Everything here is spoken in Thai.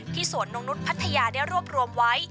สวนนกนุษย์พัทยาได้รวบรวมไว้